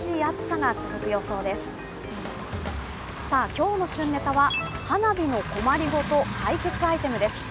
今日の旬ネタは花火の困りごと解決アイテムです。